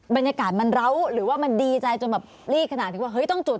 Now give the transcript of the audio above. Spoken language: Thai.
บรรยากาศมันเล้าหรือว่ามันดีใจจนแบบรีดขนาดถึงว่าเฮ้ยต้องจุด